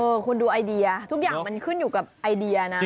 คุณดูไอเดียทุกอย่างมันขึ้นอยู่กับไอเดียนะ